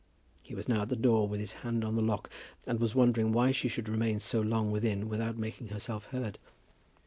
He was now at the door, with his hand on the lock, and was wondering why she should remain so long within without making herself heard.